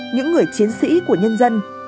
những người chiến sĩ của nhân dân